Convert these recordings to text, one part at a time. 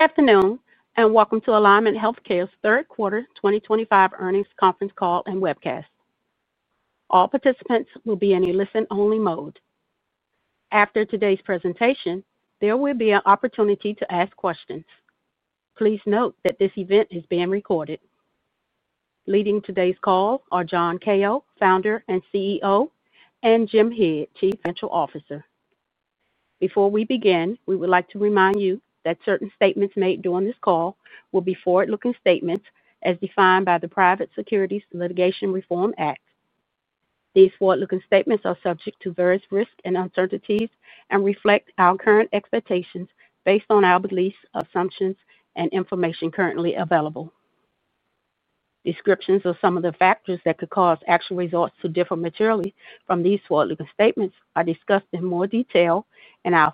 Good afternoon, and welcome to Alignment Healthcare's third quarter 2025 earnings conference call and webcast. All participants will be in a listen-only mode. After today's presentation, there will be an opportunity to ask questions. Please note that this event is being recorded. Leading today's call are John Kao, Founder and CEO, and Jim Head, Chief Financial Officer. Before we begin, we would like to remind you that certain statements made during this call will be forward-looking statements as defined by the Private Securities Litigation Reform Act. These forward-looking statements are subject to various risks and uncertainties and reflect our current expectations based on our beliefs, assumptions, and information currently available. Descriptions of some of the factors that could cause actual results to differ materially from these forward-looking statements are discussed in more detail in our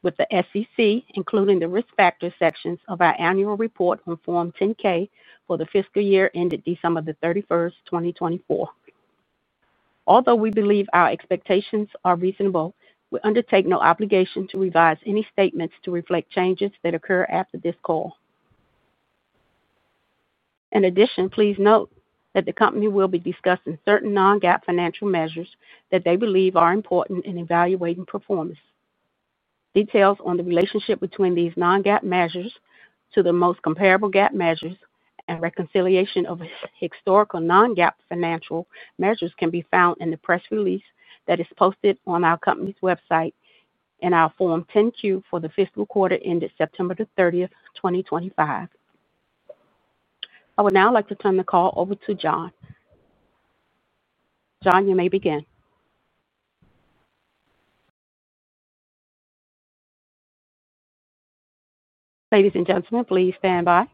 filings with the SEC, including the risk factors sections of our annual report on Form 10-K for the fiscal year ended December 31st, 2024. Although we believe our expectations are reasonable, we undertake no obligation to revise any statements to reflect changes that occur after this call. In addition, please note that the company will be discussing certain non-GAAP financial measures that they believe are important in evaluating performance. Details on the relationship between these non-GAAP measures to the most comparable GAAP measures and reconciliation of historical non-GAAP financial measures can be found in the press release that is posted on our company's website in our Form 10-Q for the fiscal quarter ended September 30th, 2025. I would now like to turn the call over to John. John, you may begin. Ladies and gentlemen, please stand by.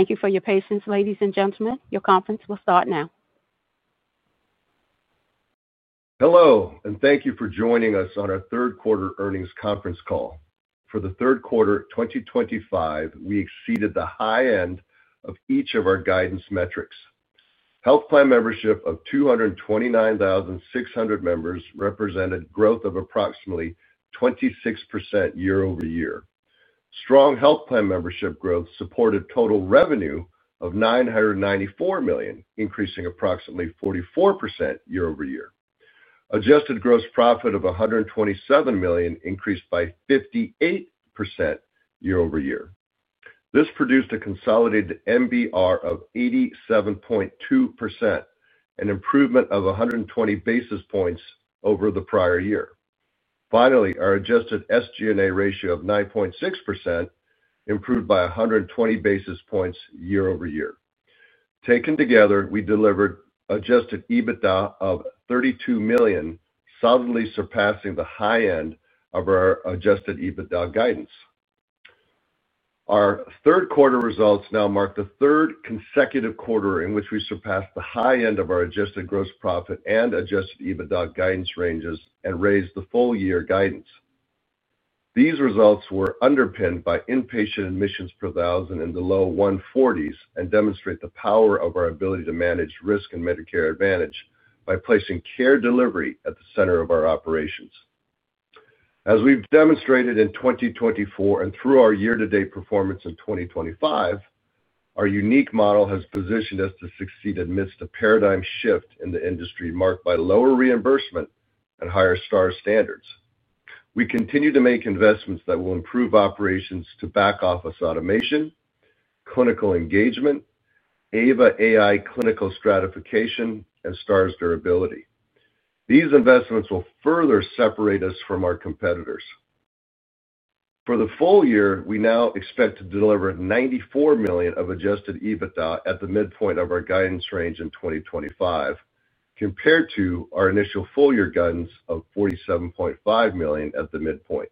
Thank you for your patience, ladies and gentlemen. Your conference will start now. Hello, and thank you for joining us on our third quarter earnings conference call. For the third quarter 2025, we exceeded the high end of each of our guidance metrics. Health plan membership of 229,600 members represented growth of approximately 26% year-over -ear. Strong health plan membership growth supported total revenue of $994 million, increasing approximately 44% year-over-year. Adjusted gross profit of $127 million increased by 58% year-over-year. This produced a consolidated MBR of 87.2%, an improvement of 120 basis points over the prior year. Finally, our adjusted SG&A ratio of 9.6% improved by 120 basis points year-over-year. Taken together, we delivered Adjusted EBITDA of $32 million, solidly surpassing the high end of our Adjusted EBITDA guidance. Our third quarter results now mark the third consecutive quarter in which we surpassed the high end of our adjusted gross profit and Adjusted EBITDA guidance ranges and raised the full year guidance. These results were underpinned by inpatient admissions per thousand in the low 140s and demonstrate the power of our ability to manage risk and Medicare Advantage by placing care delivery at the center of our operations. As we've demonstrated in 2024 and through our year-to-date performance in 2025, our unique model has positioned us to succeed amidst a paradigm shift in the industry marked by lower reimbursement and higher STARS standards. We continue to make investments that will improve operations to back office automation, clinical engagement, AVA AI clinical stratification, and STARS durability. These investments will further separate us from our competitors. For the full year, we now expect to deliver $94 million of Adjusted EBITDA at the midpoint of our guidance range in 2025, compared to our initial full year guidance of $47.5 million at the midpoint.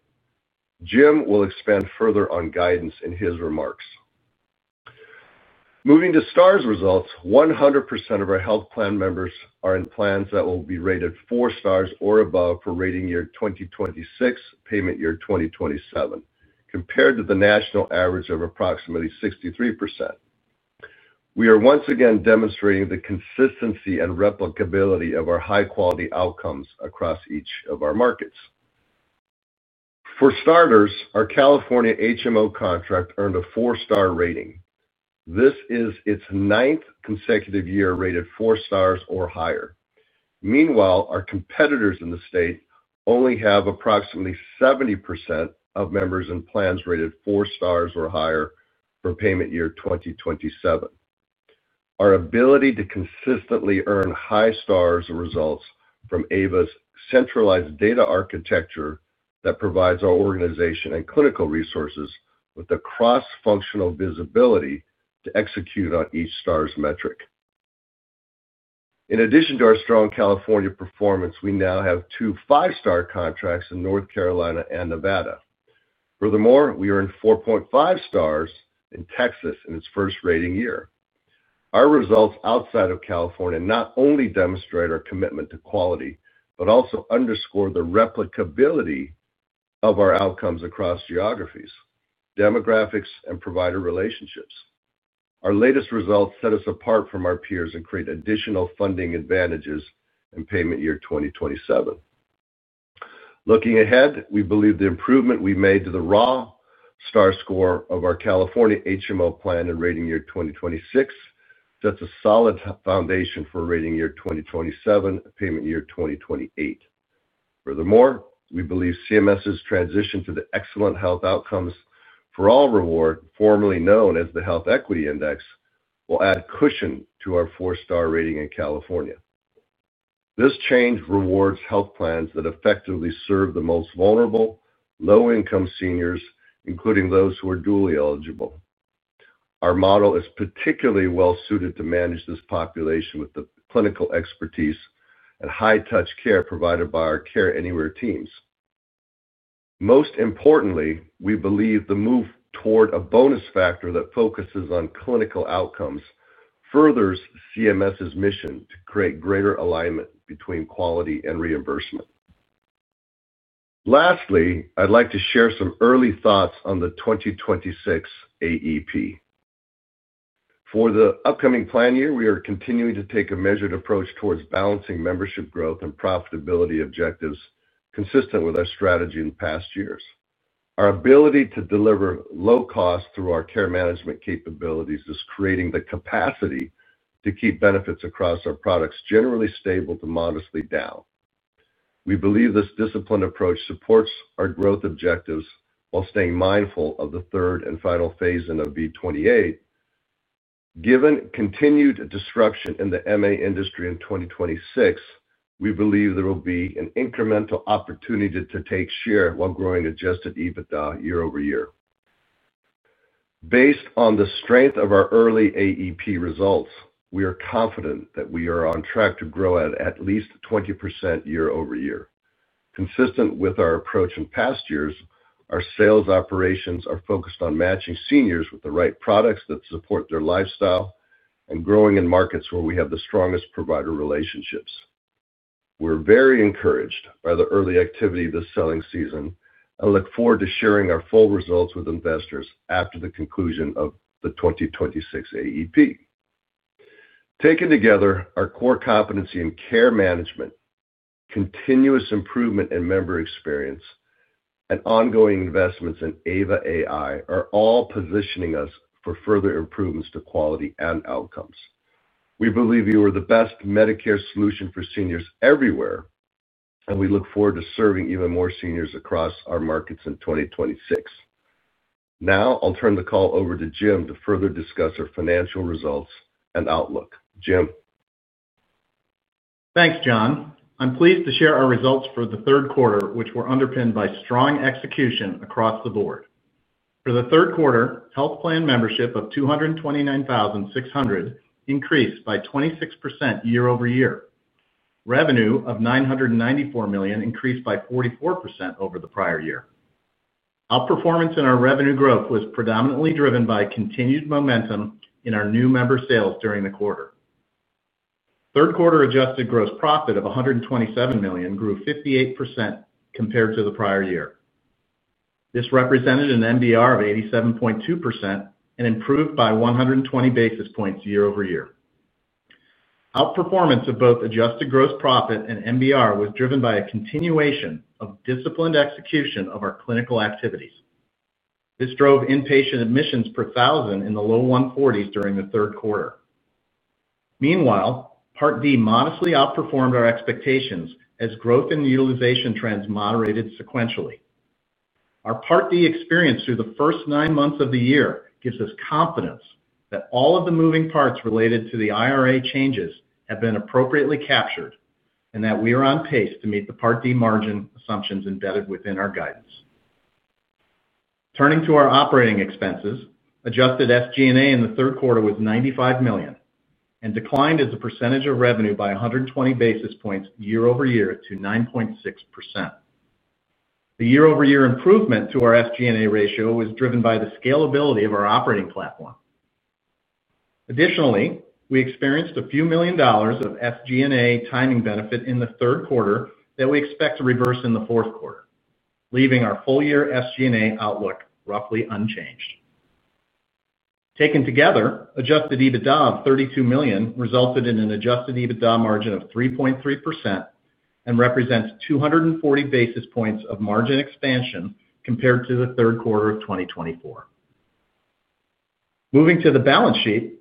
Jim will expand further on guidance in his remarks. Moving to STARS results, 100% of our health plan members are in plans that will be rated four stars or above for rating year 2026, payment year 2027, compared to the national average of approximately 63%. We are once again demonstrating the consistency and replicability of our high-quality outcomes across each of our markets. For starters, our California HMO contract earned a four-star rating. This is its ninth consecutive year rated four stars or higher. Meanwhile, our competitors in the state only have approximately 70% of members in plans rated four stars or higher for payment year 2027. Our ability to consistently earn high STARS results from AVA's centralized data architecture that provides our organization and clinical resources with the cross-functional visibility to execute on each STARS metric. In addition to our strong California performance, we now have two five-star contracts in North Carolina and Nevada. Furthermore, we earned 4.5 stars in Texas in its first rating year. Our results outside of California not only demonstrate our commitment to quality but also underscore the replicability of our outcomes across geographies, demographics, and provider relationships. Our latest results set us apart from our peers and create additional funding advantages in payment year 2027. Looking ahead, we believe the improvement we made to the raw STARS score of our California HMO plan in rating year 2026 sets a solid foundation for rating year 2027, payment year 2028. Furthermore, we believe CMS's transition to the excellent health outcomes for all reward, formerly known as the Health Equity Index, will add cushion to our four-star rating in California. This change rewards health plans that effectively serve the most vulnerable, low-income seniors, including those who are dually eligible. Our model is particularly well-suited to manage this population with the clinical expertise and high-touch care provided by our care anywhere teams. Most importantly, we believe the move toward a bonus factor that focuses on clinical outcomes furthers CMS's mission to create greater alignment between quality and reimbursement. Lastly, I'd like to share some early thoughts on the 2026 AEP. For the upcoming plan year, we are continuing to take a measured approach towards balancing membership growth and profitability objectives consistent with our strategy in past years. Our ability to deliver low cost through our care management capabilities is creating the capacity to keep benefits across our products generally stable to modestly down. We believe this disciplined approach supports our growth objectives while staying mindful of the third and final phase in V28. Given continued disruption in the MA industry in 2026, we believe there will be an incremental opportunity to take share while growing Adjusted EBITDA year-over-year. Based on the strength of our early AEP results, we are confident that we are on track to grow at at least 20% year-over-year. Consistent with our approach in past years, our sales operations are focused on matching seniors with the right products that support their lifestyle and growing in markets where we have the strongest provider relationships. We're very encouraged by the early activity this selling season and look forward to sharing our full results with investors after the conclusion of the 2026 AEP. Taken together, our core competency in care management, continuous improvement in member experience, and ongoing investments in AVA AI are all positioning us for further improvements to quality and outcomes. We believe we are the best Medicare solution for seniors everywhere, and we look forward to serving even more seniors across our markets in 2026. Now, I'll turn the call over to Jim to further discuss our financial results and outlook. Jim. Thanks, John. I'm pleased to share our results for the third quarter, which were underpinned by strong execution across the board. For the third quarter, health plan membership of 229,600 increased by 26% year-over-year. Revenue of $994 million increased by 44% over the prior year. Our performance in our revenue growth was predominantly driven by continued momentum in our new member sales during the quarter. Third quarter adjusted gross profit of $127 million grew 58% compared to the prior year. This represented an MBR of 87.2% and improved by 120 basis points year-over-year. Outperformance of both adjusted gross profit and MBR was driven by a continuation of disciplined execution of our clinical activities. This drove inpatient admissions per thousand in the low 140s during the third quarter. Meanwhile, Part D modestly outperformed our expectations as growth in utilization trends moderated sequentially. Our Part D experience through the first nine months of the year gives us confidence that all of the moving parts related to the IRA changes have been appropriately captured and that we are on pace to meet the Part D margin assumptions embedded within our guidance. Turning to our operating expenses, adjusted SG&A in the third quarter was $95 million and declined as a percentage of revenue by 120 basis points year-over-year to 9.6%. The year-over-year improvement to our SG&A ratio was driven by the scalability of our operating platform. Additionally, we experienced a few million dollars of SG&A timing benefit in the third quarter that we expect to reverse in the fourth quarter, leaving our full year SG&A outlook roughly unchanged. Taken together, Adjusted EBITDA of $32 million resulted in an Adjusted EBITDA margin of 3.3% and represents 240 basis points of margin exAansion compared to the third quarter of 2024. Moving to the balance sheet,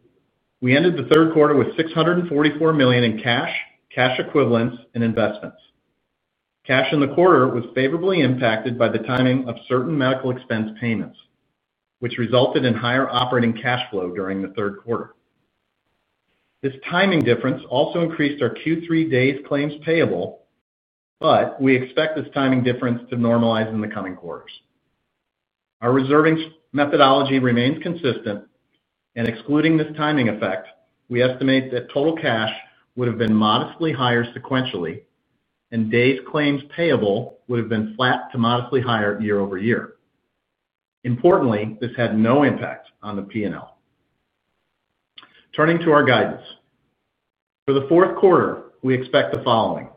we ended the third quarter with $644 million in cash, cash equivalents, and investments. Cash in the quarter was favorably impacted by the timing of certain medical expense payments, which resulted in higher operating cash flow during the third quarter. This timing difference also increased our Q3 days claims payable. We expect this timing difference to normalize in the coming quarters. Our reserving methodology remains consistent, and excluding this timing effect, we estimate that total cash would have been modestly higher sequentially, and days claims payable would have been flat to modestly higher year-over-year. Importantly, this had no impact on the P&L. Turning to our guidance. For the fourth quarter, we expect the following.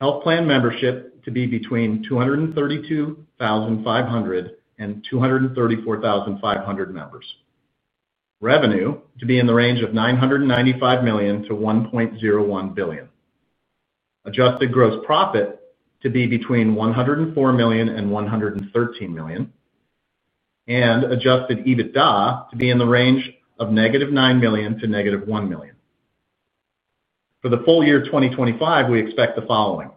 Health plan membership to be between 232,500 and 234,500 members. Revenue to be in the range of $995 million-$1.01 billion. Adjusted gross profit to be between $104 million and $113 million, and Adjusted EBITDA to be in the range of -$9 million to -$1 million. For the full year 2025, we expect the following.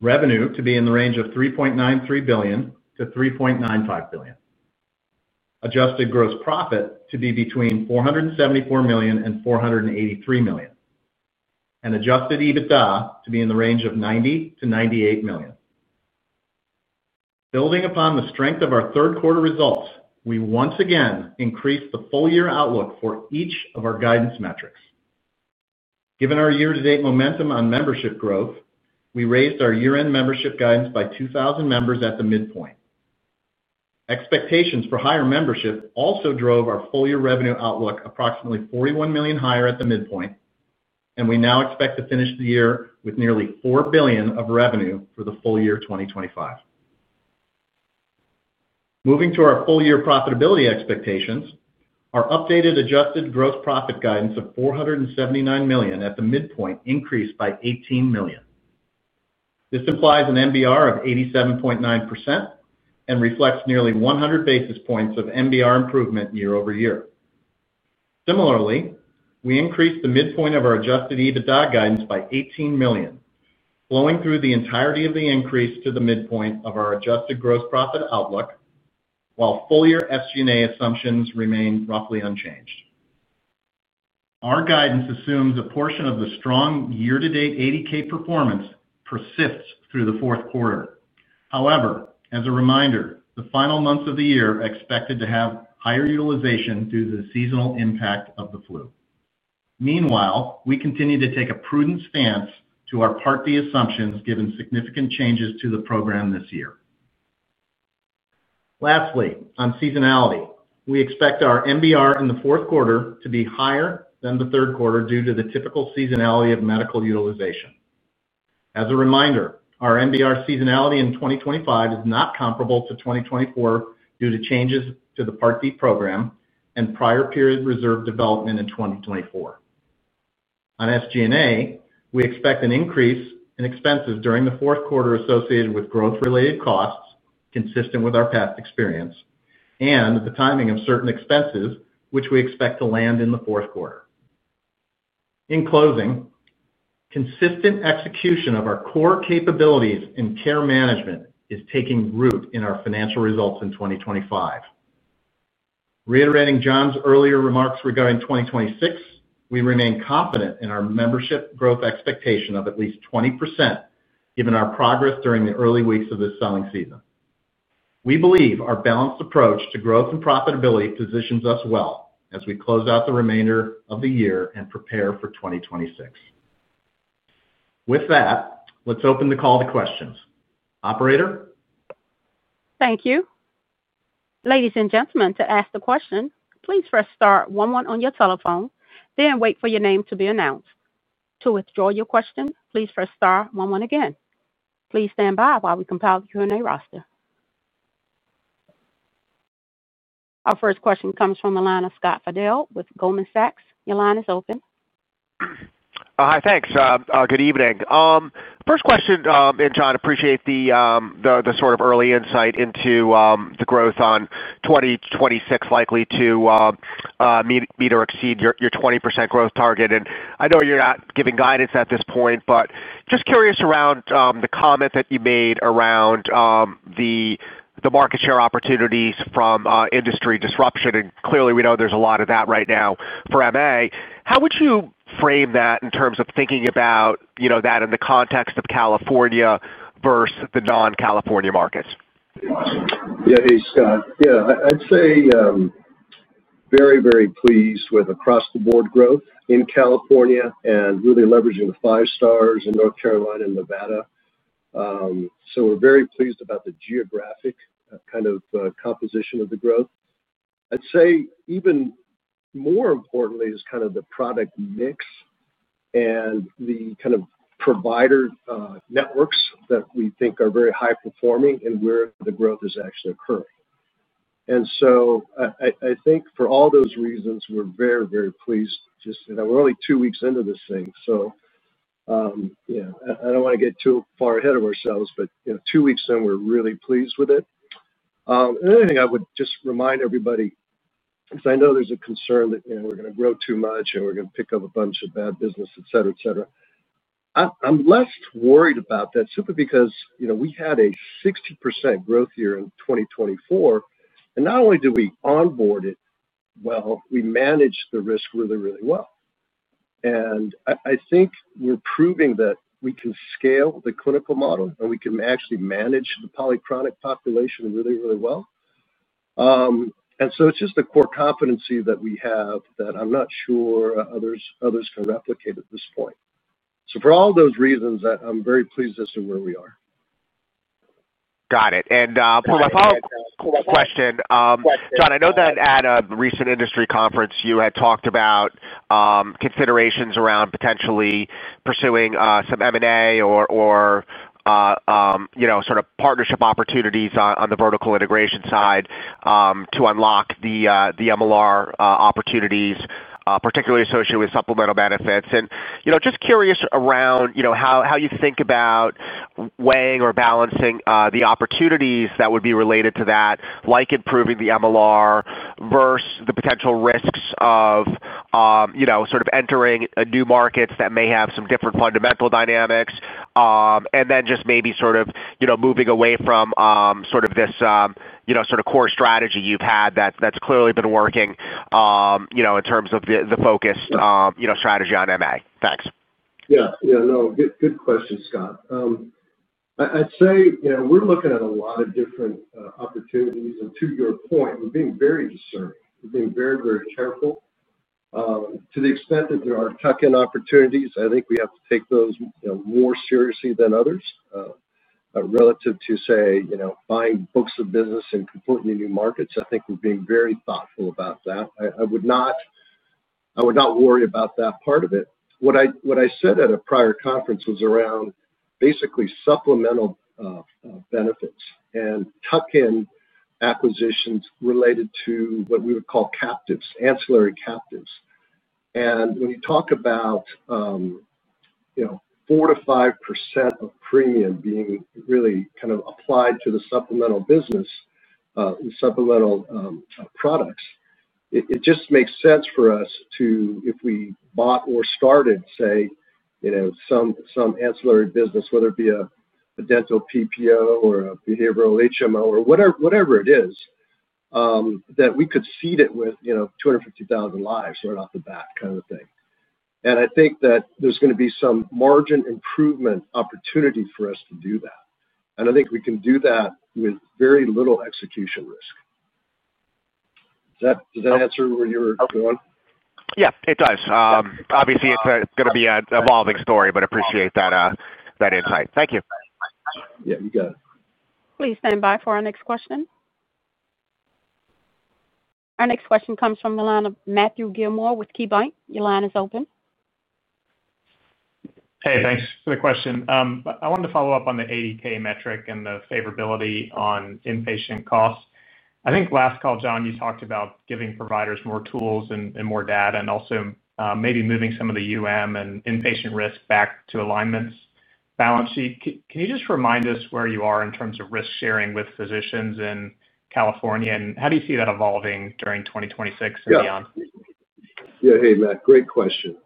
Revenue to be in the range of $3.93 billion-$3.95 billion. Adjusted gross profit to be between $474 million and $483 million, and Adjusted EBITDA to be in the range of $90 million-$98 million. Building upon the strength of our third quarter results, we once again increased the full year outlook for each of our guidance metrics. Given our year-to-date momentum on membership growth, we raised our year-end membership guidance by 2,000 members at the midpoint. Expectations for higher membership also drove our full year revenue outlook approximately $41 million higher at the midpoint, and we now expect to finish the year with nearly $4 billion of revenue for the full year 2025. Moving to our full year profitability expectations, our updated adjusted gross profit guidance of $479 million at the midpoint increased by $18 million. This implies an MBR of 87.9% and reflects nearly 100 basis points of MBR improvement year-over-year. Similarly, we increased the midpoint of our Adjusted EBITDA guidance by $18 million, flowing through the entirety of the increase to the midpoint of our adjusted gross profit outlook, while full year SG&A assumptions remain roughly unchanged. Our guidance assumes a portion of the strong year-to-date ADK performance persists through the fourth quarter. However, as a reminder, the final months of the year are expected to have higher utilization due to the seasonal impact of the flu. Meanwhile, we continue to take a prudent stance to our Part D assumptions given significant changes to the program this year. Lastly, on seasonality, we expect our MBR in the fourth quarter to be higher than the third quarter due to the typical seasonality of medical utilization. As a reminder, our MBR seasonality in 2025 is not comparable to 2024 due to changes to the Part D program and prior period reserve development in 2024. On SG&A, we expect an increase in expenses during the fourth quarter associated with growth-related costs consistent with our past experience and the timing of certain expenses, which we expect to land in the fourth quarter. In closing, consistent execution of our core capabilities in care management is taking root in our financial results in 2025. Reiterating John's earlier remarks regarding 2026, we remain confident in our membership growth expectation of at least 20% given our progress during the early weeks of this selling season. We believe our balanced approach to growth and profitability positions us well as we close out the remainder of the year and prepare for 2026. With that, let's open the call to questions. Operator. Thank you. Ladies and gentlemen, to ask the question, please press star one one on your telephone, then wait for your name to be announced. To withdraw your question, please press star one one again. Please stand by while we compile the Q&A roster. Our first question comes from the line of Scott Fidel with Goldman Sachs. Your line is open. Hi, thanks. Good evening. First question, and John, appreciate the early insight into the growth on 2026 likely to meet or exceed your 20% growth target. I know you're not giving guidance at this point, but just curious around the comment that you made around the market share opportunities from industry disruption. Clearly, we know there's a lot of that right now for MA. How would you frame that in terms of thinking about that in the context of California versus the non-California markets? Yeah, hey, Scott. I'd say we're very, very pleased with across-the-board growth in California and really leveraging the five stars in North Carolina and Nevada. We're very pleased about the geographic kind of composition of the growth. I'd say even more importantly is kind of the product mix and the kind of provider networks that we think are very high-performing and where the growth is actually occurring. I think for all those reasons, we're very, very pleased. We're only two weeks into this thing, so I don't want to get too far ahead of ourselves, but two weeks in, we're really pleased with it. Another thing I would just remind everybody, because I know there's a concern that we're going to grow too much and we're going to pick up a bunch of bad business, etc., etc., I'm less worried about that simply because we had a 60% growth year in 2024. Not only did we onboard it well, we managed the risk really, really well. I think we're proving that we can scale the clinical model and we can actually manage the polychronic population really, really well. It's just a core competency that we have that I'm not sure others can replicate at this point. For all those reasons, I'm very pleased as to where we are. Got it. My follow-up question, John, I know that at a recent industry conference, you had talked about considerations around potentially pursuing some M&A or sort of partnership opportunities on the vertical integration side to unlock the MLR opportunities, particularly associated with supplemental benefits. I'm just curious around how you think about weighing or balancing the opportunities that would be related to that, like improving the MLR versus the potential risks of sort of entering new markets that may have some different fundamental dynamics. Maybe sort of moving away from this core strategy you've had that's clearly been working in terms of the focused strategy on MA. Thanks. Yeah, good question, Scott. I'd say we're looking at a lot of different opportunities. To your point, we're being very discerning. We're being very, very careful. To the extent that there are tuck-in opportunities, I think we have to take those more seriously than others. Relative to, say, buying books of business in completely new markets, I think we're being very thoughtful about that. I would not worry about that part of it. What I said at a prior conference was around basically supplemental benefits and tuck-in acquisitions related to what we would call captives, ancillary captives. When you talk about 4%-5% of premium being really kind of applied to the supplemental business, supplemental products, it just makes sense for us to, if we bought or started, say, some ancillary business, whether it be a dental PPO or a behavioral HMO or whatever it is, that we could seed it with 250,000 lives right off the bat, kind of a thing. I think that there's going to be some margin improvement opportunity for us to do that, and I think we can do that with very little execution risk. Does that answer where you were going? Yeah, it does. Obviously, it's going to be an evolving story, but appreciate that insight. Thank you. Yeah, you got it. Please stand by for our next question. Our next question comes from the line of Matthew Gillmor with KeyBanc. Your line is open. Hey, thanks for the question. I wanted to follow up on the ADK metric and the favorability on inpatient costs. I think last call, John, you talked about giving providers more tools and more data and also maybe moving some of the inpatient risk back to Alignment Healthcare's balance sheet. Can you just remind us where you are in terms of risk sharing with physicians in California? How do you see that evolving during 2026 and beyond? Yeah, hey, Matt, great question.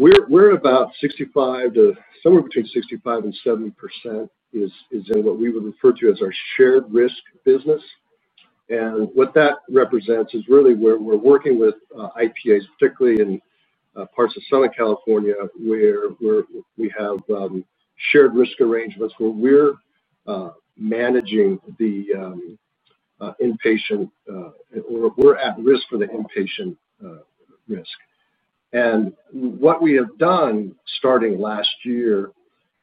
We're about 65% to somewhere between 65% and 70% is in what we would refer to as our shared risk business. What that represents is really where we're working with IPAs, particularly in parts of Southern California where we have shared risk arrangements where we're managing the inpatient or we're at risk for the inpatient risk. What we have done starting last year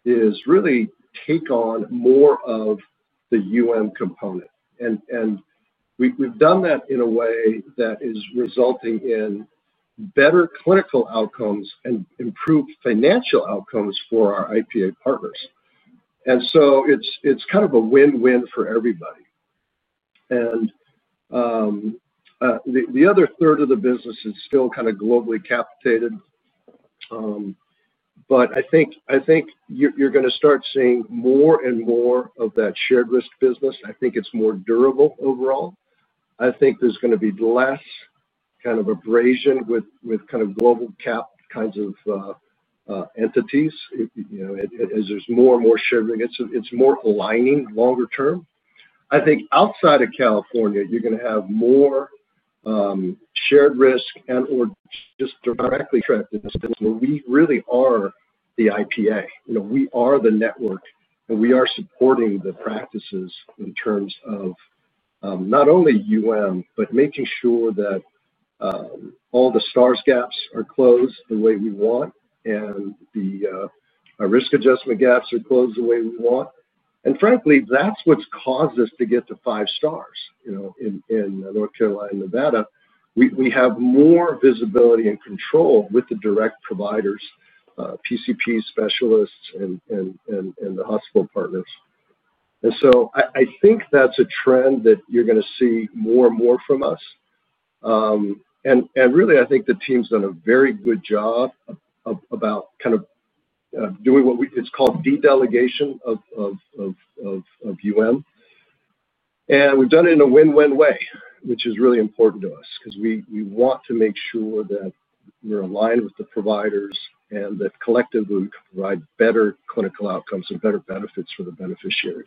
is really take on more of the component, and we've done that in a way that is resulting in better clinical outcomes and improved financial outcomes for our IPA partners. It's kind of a win-win for everybody. The other third of the business is still kind of globally capitated. I think you're going to start seeing more and more of that shared risk business. I think it's more durable overall. I think there's going to be less kind of abrasion with kind of global cap kinds of entities. As there's more and more shared risk, it's more aligning longer term. I think outside of California, you're going to have more shared risk and/or just directly tracked in the sense where we really are the IPA. We are the network, and we are supporting the practices in terms of not only but making sure that all the STARS gaps are closed the way we want and the risk adjustment gaps are closed the way we want. Frankly, that's what's caused us to get to five stars. In North Carolina and Nevada, we have more visibility and control with the direct providers, PCP specialists, and the hospital partners. I think that's a trend that you're going to see more and more from us. I think the team's done a very good job about kind of doing what it's called de-delegation of, and we've done it in a win-win way, which is really important to us because we want to make sure that we're aligned with the providers and that collectively we can provide better clinical outcomes and better benefits for the beneficiaries.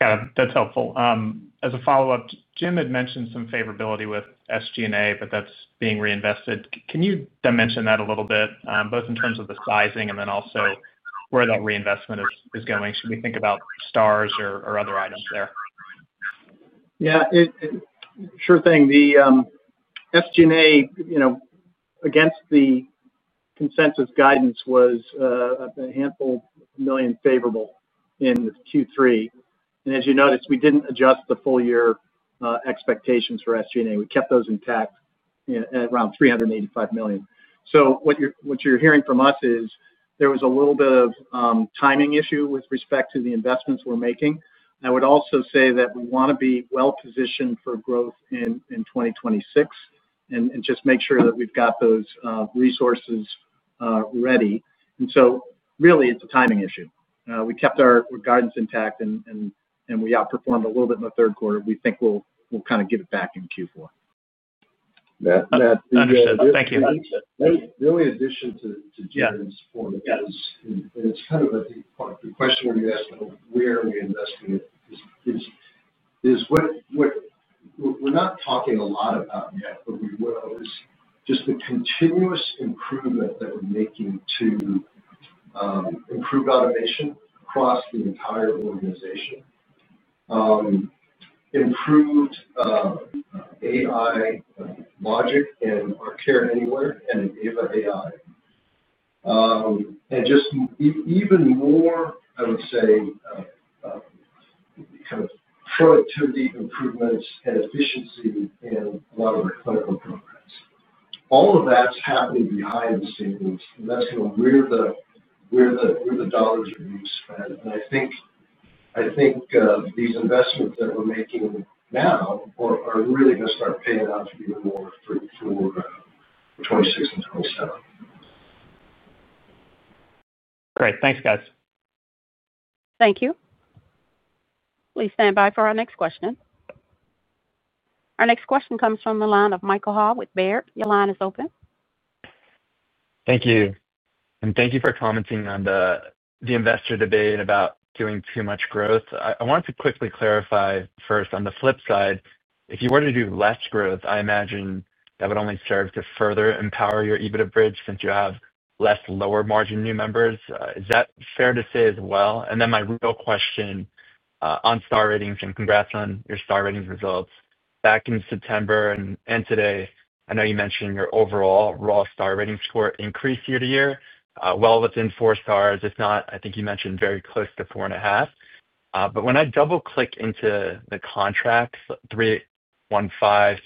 Yeah, that's helpful. As a follow-up, Jim had mentioned some favorability with SG&A, but that's being reinvested. Can you dimension that a little bit, both in terms of the sizing and then also where that reinvestment is going? Should we think about STARS or other items there? Sure thing. The SG&A against the consensus guidance was a handful of million favorable in Q3. As you noticed, we didn't adjust the full year expectations for SG&A. We kept those intact at around $385 million. What you're hearing from us is there was a little bit of timing issue with respect to the investments we're making. I would also say that we want to be well-positioned for growth in 2026 and just make sure that we've got those resources ready. It's a timing issue. We kept our guidance intact, and we outperformed a little bit in the third quarter. We think we'll kind of get it back in Q4. Matt, thank you. In addition to Jim's point, it's kind of a deep point. The question you asked about where we invest in it is what we're not talking a lot about yet, but we will, is just the continuous improvement that we're making to improve automation across the entire organization, improved AI logic in our care anywhere and in AVA AI, and even more, I would say, productivity improvements and efficiency in a lot of our clinical programs. All of that's happening behind the scenes, and that's where the dollars that we've spent are going. I think these investments that we're making now are really going to start paying out even more for 2026 and 2027. Great. Thanks, guys. Thank you. Please stand by for our next question. Our next question comes from the line of Michael Ha with Baird. Your line is open. Thank you. Thank you for commenting on the investor debate about doing too much growth. I want to quickly clarify first, on the flip side, if you were to do less growth, I imagine that would only serve to further empower your EBITDA bridge since you have less lower-margin new members. Is that fair to say as well? My real question. On star ratings, and congrats on your star ratings results. Back in September and today, I know you mentioned your overall raw star rating score increased year to year, well within four stars. If not, I think you mentioned very close to four and a half. When I double-click into the contracts, 315,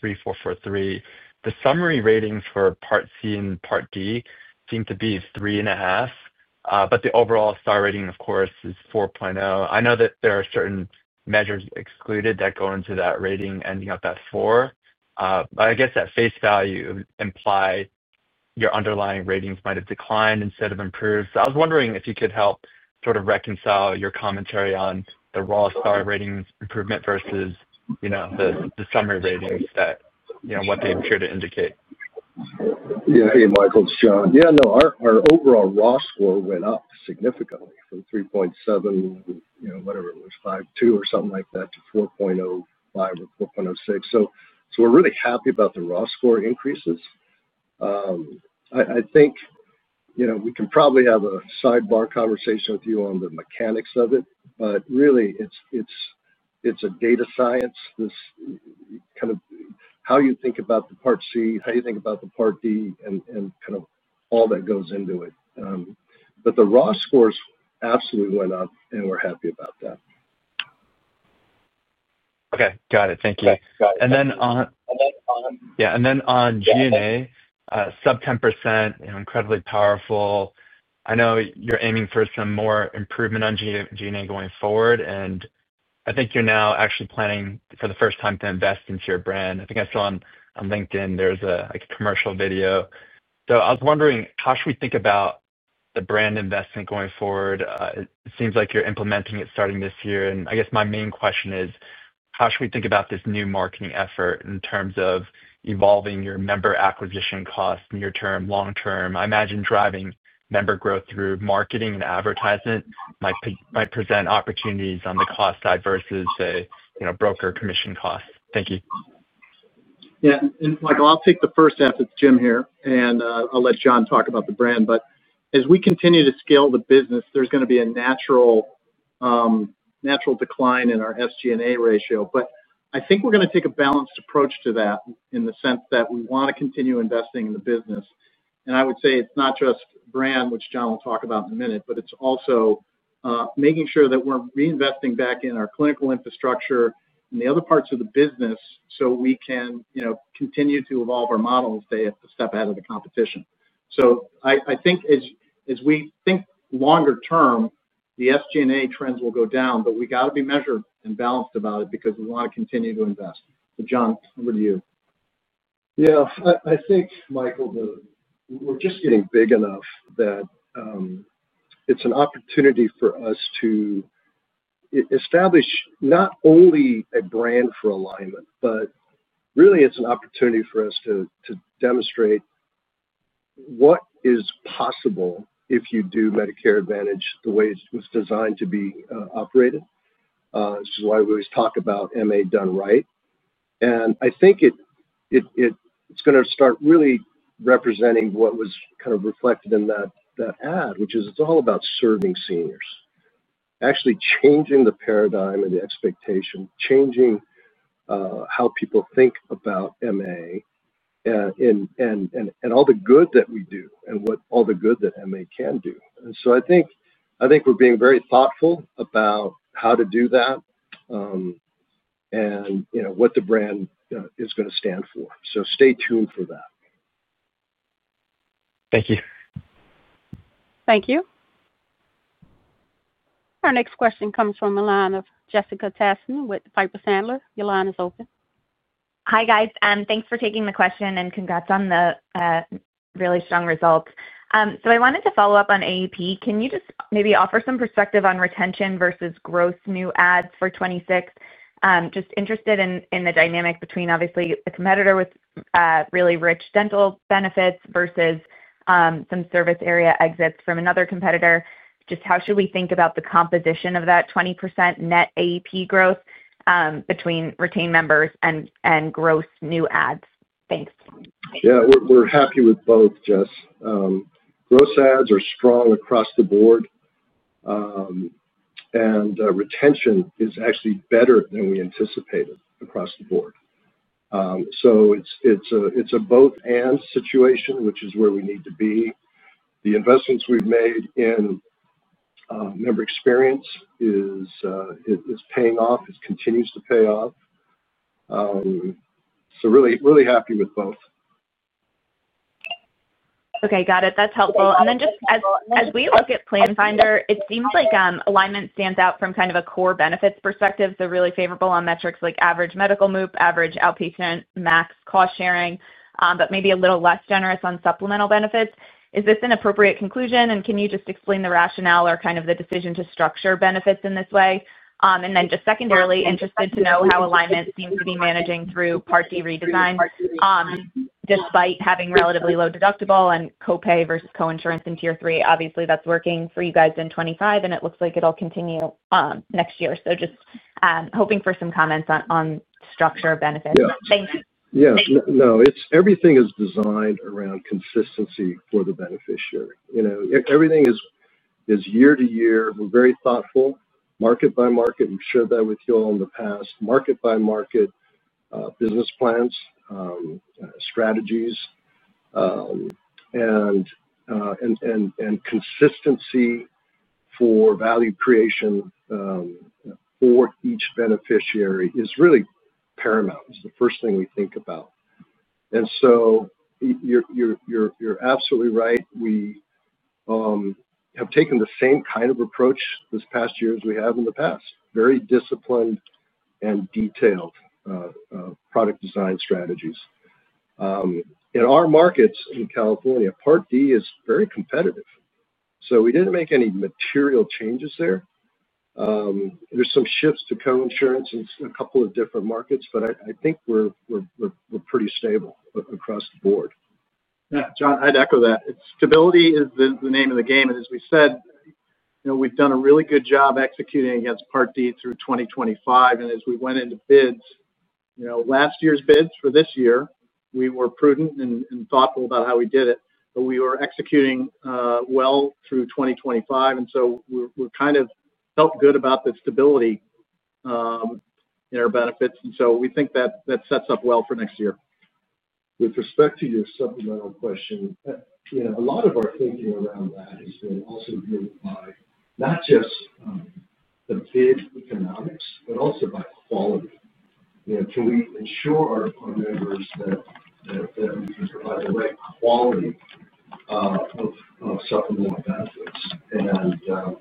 3443, the summary ratings for Part C and Part D seem to be three and a half. The overall star rating, of course, is 4.0. I know that there are certain measures excluded that go into that rating, ending up at four. I guess at face value, imply your underlying ratings might have declined instead of improved. I was wondering if you could help sort of reconcile your commentary on the raw star ratings improvement versus the summary ratings, what they appear to indicate. Yeah. Hey, Michael, it's John. Yeah, our overall raw score went up significantly from 3.7, whatever it was, 5.2 or something like that, to 4.05 or 4.06. We're really happy about the raw score increases. I think we can probably have a sidebar conversation with you on the mechanics of it, but really, it's a data science, kind of how you think about the Part C, how you think about the Part D, and kind of all that goes into it. The raw scores absolutely went up, and we're happy about that. Okay. Got it. Thank you. On. On. Yeah. On G&A, sub 10%, incredibly powerful. I know you're aiming for some more improvement on G&A going forward. I think you're now actually planning for the first time to invest into your brand. I think I saw on LinkedIn, there's a commercial video. I was wondering, how should we think about the brand investment going forward? It seems like you're implementing it starting this year. My main question is, how should we think about this new marketing effort in terms of evolving your member acquisition costs, near-term, long-term? I imagine driving member growth through marketing and advertisement might present opportunities on the cost side versus, say, broker commission costs. Thank you. Yeah. Michael, I'll take the first as it's Jim here, and I'll let John talk about the brand. As we continue to scale the business, there's going to be a decline in our SG&A ratio. I think we're going to take a balanced approach to that in the sense that we want to continue investing in the business. I would say it's not just brand, which John will talk about in a minute, but it's also making sure that we're reinvesting back in our clinical infrastructure and the other parts of the business so we can continue to evolve our model and stay a step ahead of the competition. I think as we think longer term, the SG&A trends will go down, but we got to be measured and balanced about it because we want to continue to invest. John, over to you. I think, Michael, that we're just getting big enough that it's an opportunity for us to establish not only a brand for Alignment Healthcare, but really, it's an opportunity for us to demonstrate what is possible if you do Medicare Advantage the way it was designed to be operated. This is why we always talk about MA done right. I think it's going to start really representing what was kind of reflected in that ad, which is it's all about serving seniors, actually changing the paradigm and the expectation, changing how people think about MA and all the good that we do and all the good that MA can do. I think we're being very thoughtful about how to do that and what the brand is going to stand for. Stay tuned for that. Thank you. Thank you. Our next question comes from the line of Jessica Tassan with Piper Sandler. Your line is open. Hi, guys. Thanks for taking the question, and congrats on the really strong results. I wanted to follow up on AEP. Can you just maybe offer some perspective on retention versus gross new ads for 2026? Just interested in the dynamic between, obviously, a competitor with really rich dental benefits versus some service area exits from another competitor. How should we think about the composition of that 20% net AEP growth between retained members and gross new ads? Thanks. Yeah, we're happy with both, Jess. Gross ads are strong across the board, and retention is actually better than we anticipated across the board. It's a both-and situation, which is where we need to be. The investments we've made in member experience are paying off. It continues to pay off. Really happy with both. Okay. Got it. That's helpful. As we look at Planfinder, it seems like Alignment Healthcare stands out from kind of a core benefits perspective. Really favorable on metrics like average medical MOOP, average outpatient, max cost sharing, but maybe a little less generous on supplemental benefits. Is this an appropriate conclusion? Can you just explain the rationale or kind of the decision to structure benefits in this way? Secondarily, interested to know how Alignment Healthcare seems to be managing through Part D redesign. Despite having relatively low deductible and copay versus coinsurance in Tier 3, obviously, that's working for you guys in 2025, and it looks like it'll continue next year. Just hoping for some comments on structure of benefits. Thank you. Yeah. No, everything is designed around consistency for the beneficiary. Everything is year to year. We're very thoughtful, market by market. We've shared that with you all in the past, market by market. Business plans, strategies, and consistency for value creation for each beneficiary is really paramount. It's the first thing we think about. You're absolutely right. We have taken the same kind of approach this past year as we have in the past, very disciplined and detailed product design strategies. In our markets in California, Part D is very competitive, so we didn't make any material changes there. There's some shifts to coinsurance in a couple of different markets, but I think we're pretty stable across the board. Yeah. John, I'd echo that. Stability is the name of the game. As we said, we've done a really good job executing against Part D through 2025. As we went into bids, last year's bids for this year, we were prudent and thoughtful about how we did it, but we were executing well through 2025. We kind of felt good about the stability in our benefits, and we think that sets up well for next year. With respect to your supplemental question, a lot of our thinking around that has been also driven by not just the bid economics, but also by quality. Can we ensure our members that we can provide the right quality of supplemental benefits?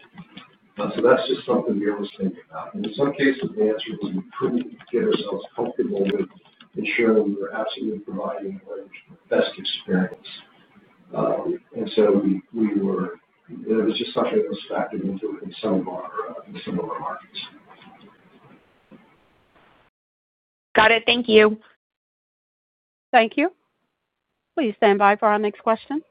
That's just something we always think about. In some cases, the answer was we couldn't get ourselves comfortable with ensuring we were absolutely providing the best experience. It was just something that was factored into some of our markets. Got it. Thank you. Thank you. Please stand by for our next question.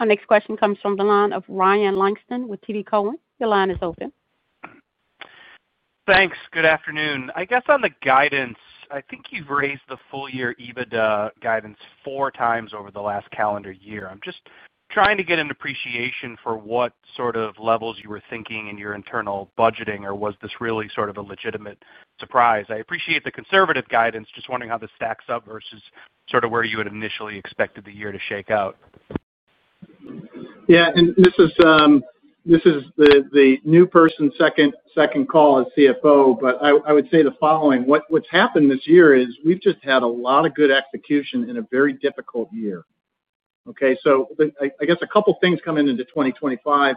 Our next question comes from the line of Ryan Langston with TD Cowen. Your line is open. Thanks. Good afternoon. On the guidance, I think you've raised the full-year EBITDA guidance 4x over the last calendar year. I'm just trying to get an appreciation for what sort of levels you were thinking in your internal budgeting, or was this really a legitimate surprise? I appreciate the conservative guidance. Just wondering how this stacks up versus where you had initially expected the year to shake out. Yeah. This is the new person, second call as CFO, but I would say the following. What's happened this year is we've just had a lot of good execution in a very difficult year. I guess a couple of things come into 2025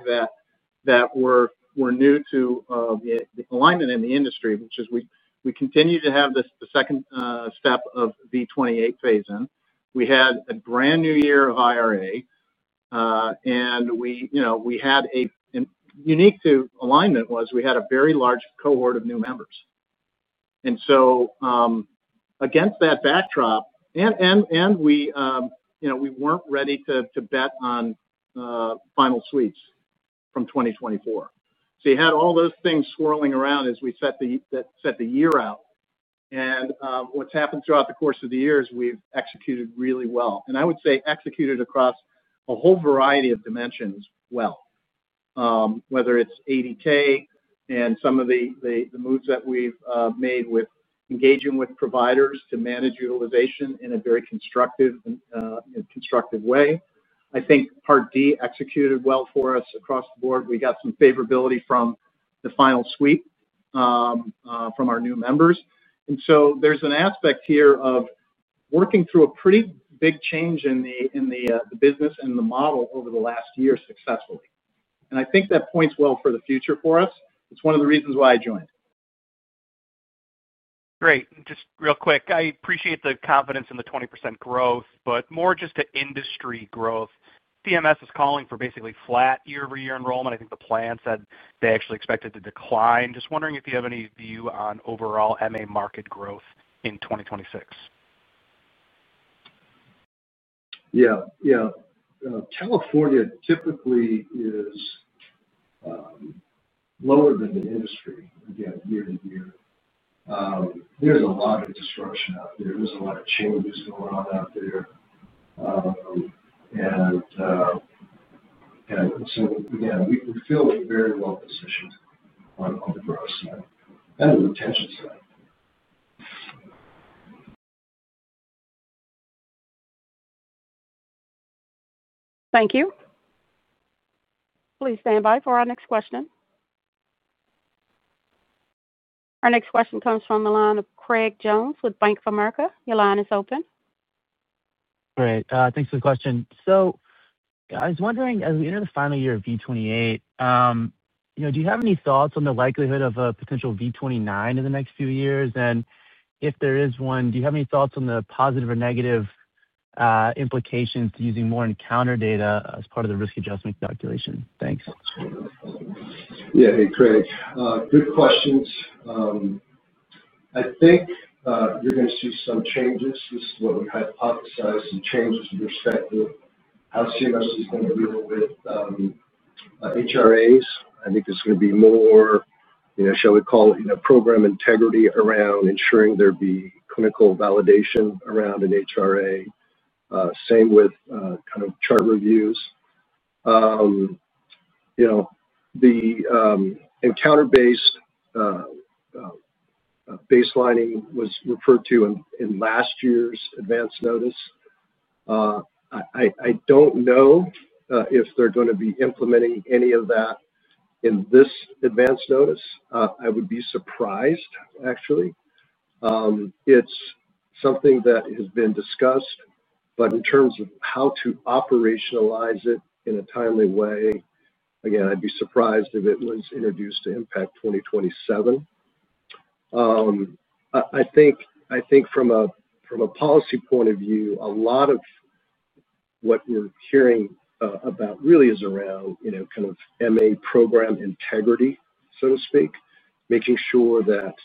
that were new to Alignment Healthcare and the industry, which is we continue to have the second step of the '28 phase-in. We had a brand new year of IRA, and unique to Alignment Healthcare was we had a very large cohort of new members. Against that backdrop, we weren't ready to bet on final suites from 2024. You had all those things swirling around as we set the year out. What's happened throughout the course of the year is we've executed really well. I would say executed across a whole variety of dimensions well, whether it's AVA and some of the moves that we've made with engaging with providers to manage utilization in a very constructive way. I think Part D executed well for us across the board. We got some favorability from the final suite from our new members. There's an aspect here of working through a pretty big change in the business and the model over the last year successfully. I think that points well for the future for us. It's one of the reasons why I joined. Great. Just real quick, I appreciate the confidence in the 20% growth, but more just to industry growth. CMS is calling for basically flat year-over-year enrollment. I think the plan said they actually expected to decline. Just wondering if you have any view on overall Medicare Advantage market growth in 2026. Yeah. California typically is lower than the industry, again, year to year. There's a lot of disruption out there. There's a lot of changes going on out there. We feel very well positioned on the growth side and the retention side. Thank you. Please stand by for our next question. Our next question comes from the line of Craig Jones with Bank of America. Your line is open. Great, thanks for the question. I was wondering, as we enter the final year of V28, do you have any thoughts on the likelihood of a potential V29 in the next few years? If there is one, do you have any thoughts on the positive or negative implications to using more encounter data as part of the risk adjustment calculation? Thanks. Yeah. Hey, Craig. Good questions. I think you're going to see some changes. This is what we hypothesize, some changes with respect to how the Centers for Medicare & Medicaid Services is going to deal with HRAs. I think there's going to be more, shall we call it, program integrity around ensuring there be clinical validation around an HRA. Same with kind of chart reviews. The encounter-based baselining was referred to in last year's advance notice. I don't know if they're going to be implementing any of that in this advance notice. I would be surprised, actually. It's something that has been discussed, but in terms of how to operationalize it in a timely way, I'd be surprised if it was introduced to impact 2027. I think from a policy point of view, a lot of what we're hearing about really is around kind of Medicare Advantage program integrity, so to speak, making sure that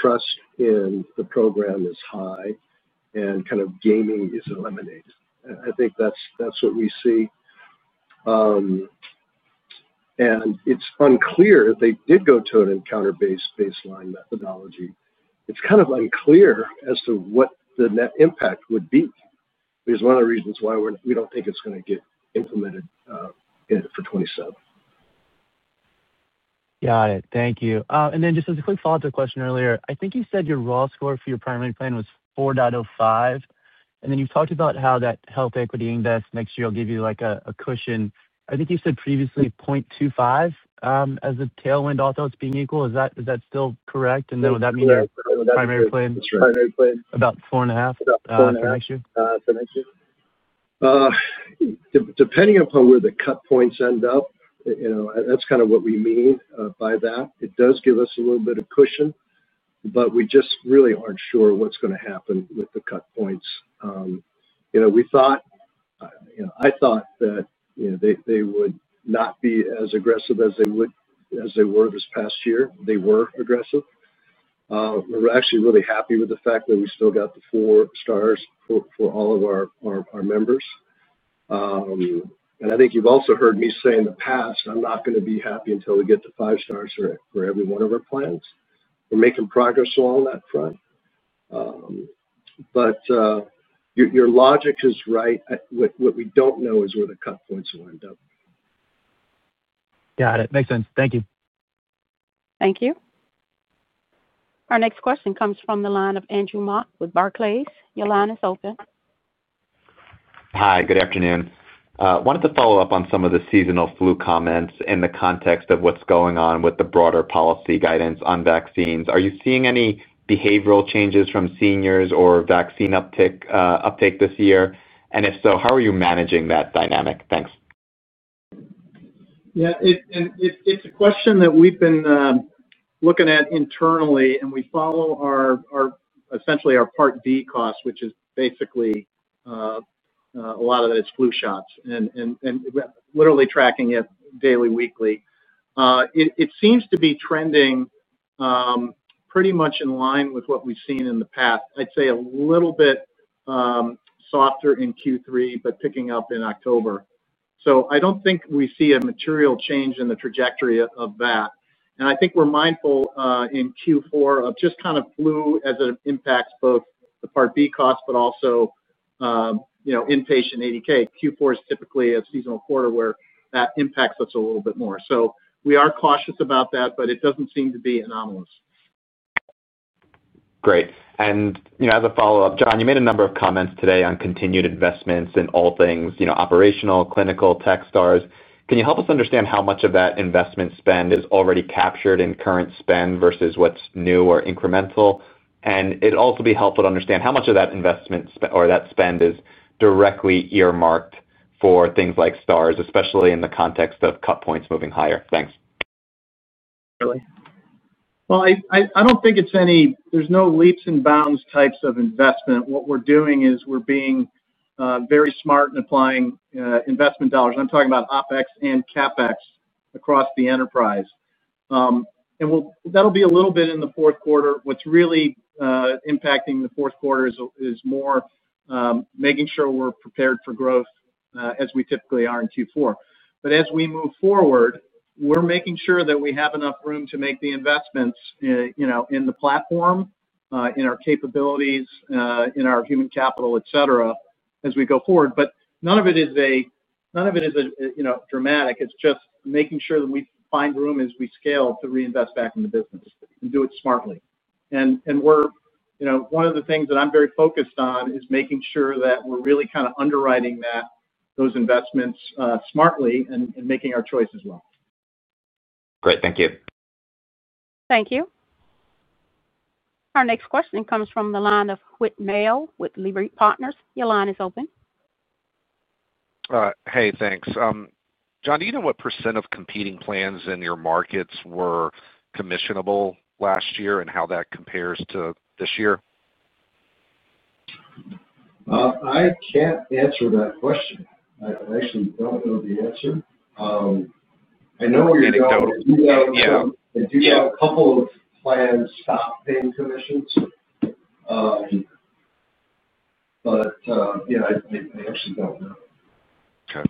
trust in the program is high and kind of gaming is eliminated. I think that's what we see. It's unclear if they did go to an encounter-based baseline methodology. It's kind of unclear as to what the net impact would be. It's one of the reasons why we don't think it's going to get implemented for 2027. Got it. Thank you. Just as a quick follow-up to the question earlier, I think you said your raw score for your primary plan was 4.05. You talked about how that Health Equity Index next year will give you a cushion. I think you said previously 0.25 as a tailwind, although all else being equal. Is that still correct? Would that mean your primary plan? Primary plan. About 4.5% for next year? Depending upon where the cut points end up, that's kind of what we mean by that. It does give us a little bit of cushion, but we just really aren't sure what's going to happen with the cut points. I thought that they would not be as aggressive as they were this past year. They were aggressive. We're actually really happy with the fact that we still got the four stars for all of our members. I think you've also heard me say in the past, "I'm not going to be happy until we get the five stars for every one of our plans." We're making progress along that front. Your logic is right. What we don't know is where the cut points will end up. Got it. Makes sense. Thank you. Thank you. Our next question comes from the line of Andrew Mott with Barclays. Your line is open. Hi. Good afternoon. Wanted to follow up on some of the seasonal flu comments in the context of what's going on with the broader policy guidance on vaccines. Are you seeing any behavioral changes from seniors or vaccine uptake this year? If so, how are you managing that dynamic? Thanks. Yeah. It's a question that we've been looking at internally, and we follow. Essentially our Part D cost, which is basically a lot of it's flu shots, and literally tracking it daily, weekly. It seems to be trending pretty much in line with what we've seen in the past. I'd say a little bit softer in Q3, but picking up in October. I don't think we see a material change in the trajectory of that. I think we're mindful in Q4 of just kind of flu as it impacts both the Part B cost, but also inpatient ADK. Q4 is typically a seasonal quarter where that impacts us a little bit more. We are cautious about that, but it doesn't seem to be anomalous. Great. As a follow-up, John, you made a number of comments today on continued investments in all things operational, clinical, tech, STARS. Can you help us understand how much of that investment spend is already captured in current spend versus what's new or incremental? It'd also be helpful to understand how much of that investment or that spend is directly earmarked for things like STARS, especially in the context of cut points moving higher. Thanks. I don't think there's any leaps and bounds types of investment. What we're doing is we're being very smart in applying investment dollars. I'm talking about OpEx and CapEx across the enterprise, and that'll be a little bit in the fourth quarter. What's really impacting the fourth quarter is more making sure we're prepared for growth as we typically are in Q4. As we move forward, we're making sure that we have enough room to make the investments in the platform, in our capabilities, in our human capital, etc., as we go forward. None of it is dramatic. It's just making sure that we find room as we scale to reinvest back in the business and do it smartly. One of the things that I'm very focused on is making sure that we're really kind of underwriting those investments smartly and making our choices well. Great. Thank you. Thank you. Our next question comes from the line of Whitmail with Liberty Partners. Your line is open. Hey, thanks. John, do you know what percent of competing plans in your markets were commissionable last year and how that compares to this year? I can't answer that question. I actually don't know the answer. I know we're going to. I do know. Do have a couple of plans stop paying commissions. I actually don't know. Okay.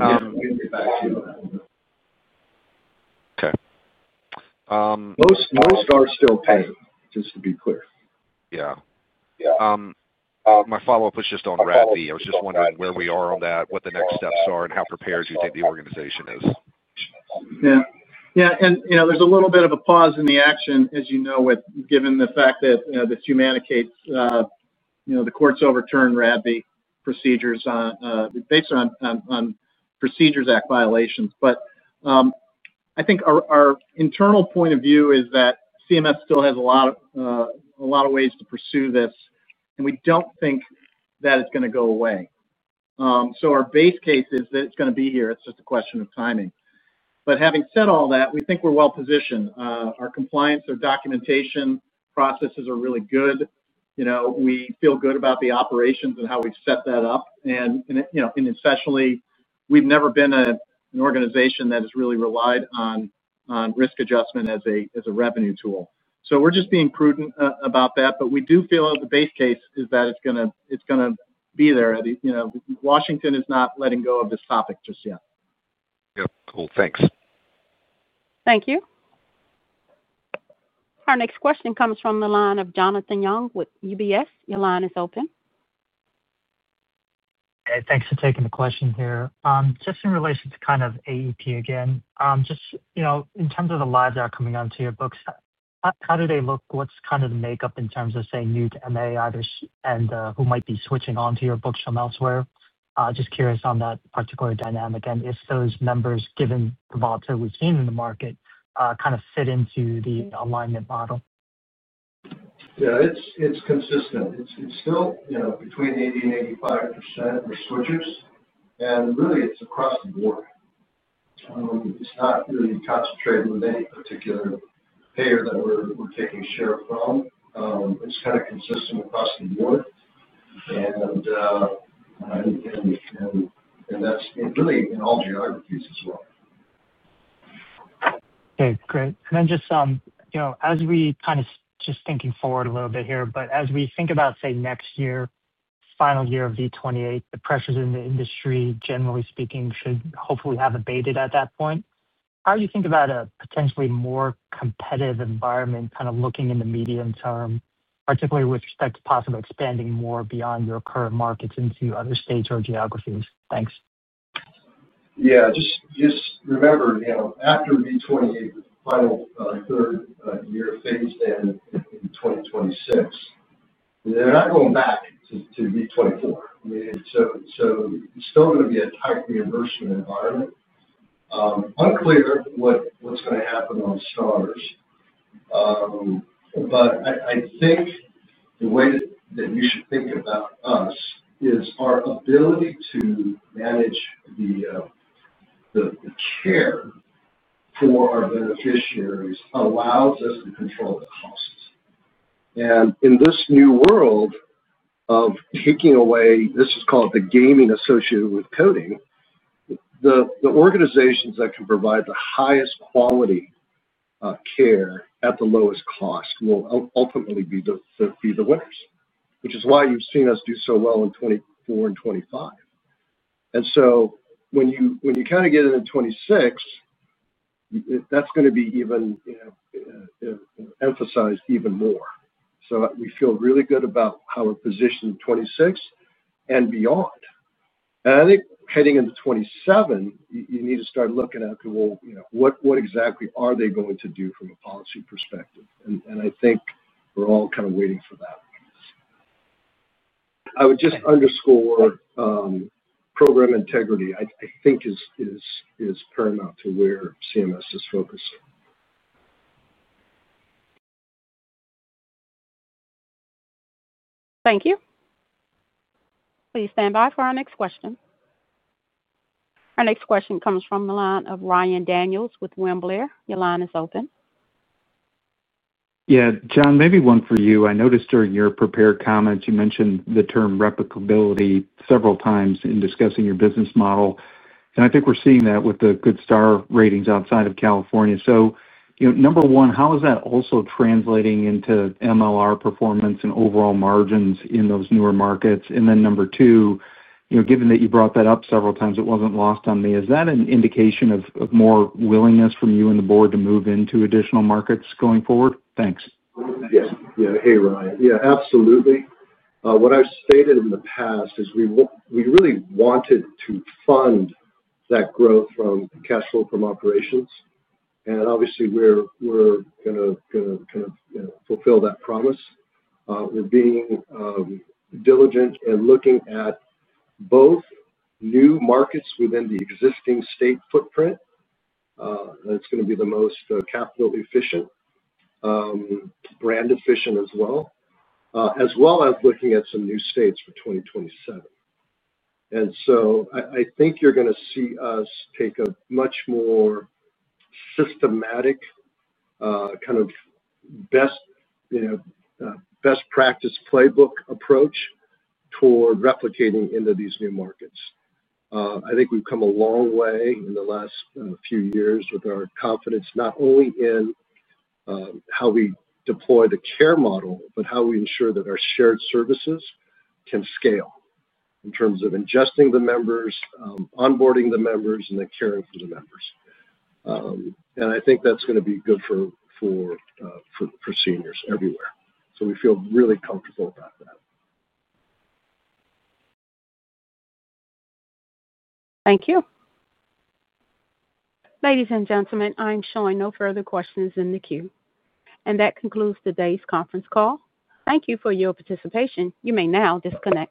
I'll get back to you on that one. Okay. Most are still paying, just to be clear. Yeah. My follow-up was just on RADV. I was just wondering where we are on that, what the next steps are, and how prepared do you think the organization is? Yeah. There's a little bit of a pause in the action, as you know, given the fact that this humanicates. The courts overturn RADV procedures based on Procedures Act violations. I think our internal point of view is that CMS still has a lot of ways to pursue this, and we don't think that it's going to go away. Our base case is that it's going to be here. It's just a question of timing. Having said all that, we think we're well positioned. Our compliance, our documentation processes are really good. We feel good about the operations and how we've set that up. Essentially, we've never been an organization that has really relied on risk adjustment as a revenue tool. We're just being prudent about that. We do feel the base case is that it's going to be there. Washington is not letting go of this topic just yet. Yep. Cool. Thanks. Thank you. Our next question comes from the line of Jonathan Young with UBS. Your line is open. Hey, thanks for taking the question here. Just in relation to kind of AEP again, just in terms of the lives that are coming onto your books, how do they look? What's kind of the makeup in terms of, say, new to MA and who might be switching onto your books from elsewhere? Just curious on that particular dynamic and if those members, given the volatility we've seen in the market, kind of fit into the Alignment Healthcare model. Yeah. It's consistent. It's still between 80% and 85% of our switchers. It's really across the board. It's not really concentrated with any particular payer that we're taking share from. It's kind of consistent across the board. It's really in all geographies as well. Great. As we think about, say, next year, final year of V28, the pressures in the industry, generally speaking, should hopefully have abated at that point. How do you think about a potentially more competitive environment, kind of looking in the medium term, particularly with respect to possibly expanding more beyond your current markets into other states or geographies? Thanks. Yeah. Just remember, after V28, the final third year phase-in in 2026, they're not going back to V24. I mean, it's still going to be a tight reimbursement environment. Unclear what's going to happen on STARS. I think the way that you should think about us is our ability to manage the care for our beneficiaries allows us to control the costs. In this new world of taking away what is called the gaming associated with coding, the organizations that can provide the highest quality care at the lowest cost will ultimately be the winners, which is why you've seen us do so well in 2024 and 2025. When you kind of get into 2026, that's going to be even emphasized even more. We feel really good about how we're positioned in 2026 and beyond. I think heading into 2027, you need to start looking at what exactly are they going to do from a policy perspective. I think we're all kind of waiting for that. I would just underscore program integrity. I think it is paramount to where the Centers for Medicare & Medicaid Services (CMS) is focused. Thank you. Please stand by for our next question. Our next question comes from the line of Ryan Daniels with William Blair. Your line is open. Yeah. John, maybe one for you. I noticed during your prepared comments, you mentioned the term replicability several times in discussing your business model. I think we're seeing that with the good star ratings outside of California. Number one, how is that also translating into MLR performance and overall margins in those newer markets? Number two, given that you brought that up several times, it wasn't lost on me. Is that an indication of more willingness from you and the board to move into additional markets going forward? Thanks. Yes. Yeah. Hey, Ryan. Yeah. Absolutely. What I've stated in the past is we really wanted to fund that growth from cash flow from operations. Obviously, we're going to kind of fulfill that promise. We're being diligent and looking at both new markets within the existing state footprint. That's going to be the most capital-efficient, brand-efficient as well, as well as looking at some new states for 2027. I think you're going to see us take a much more systematic, kind of best-practice playbook approach toward replicating into these new markets. I think we've come a long way in the last few years with our confidence, not only in how we deploy the care model, but how we ensure that our shared services can scale in terms of ingesting the members, onboarding the members, and then caring for the members. I think that's going to be good for seniors everywhere. We feel really comfortable about that. Thank you. Ladies and gentlemen, I'm showing no further questions in the queue. That concludes today's conference call. Thank you for your participation. You may now disconnect.